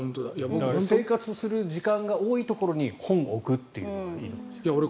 生活する時間が多いところに本を置くというのがいいかもしれないですね。